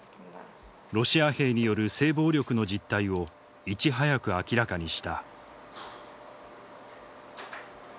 ロシア兵による性暴力の実態をいち早く明らかにした。